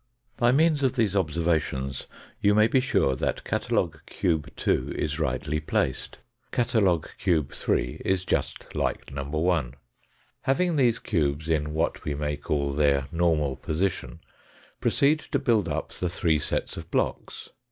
By means of these observations you may be sure that 238 THE FOUETH DIMENSION catalogue cube 2 is rightly placed. Catalogue cube 3 is just like number 1. Having these cubes in what we may call their normal position, proceed to build up the three sets of blocks.